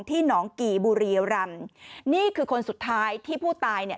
หนองกี่บุรีรำนี่คือคนสุดท้ายที่ผู้ตายเนี่ย